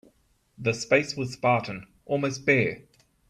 The space was spartan, almost bare.